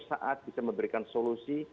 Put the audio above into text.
saat bisa memberikan solusi